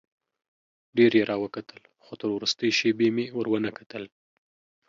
ډېر یې راوکتل خو تر وروستۍ شېبې مې ور ونه کتل.